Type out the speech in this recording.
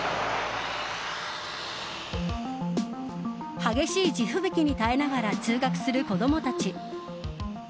激しい地吹雪に耐えながら通学する子供たち。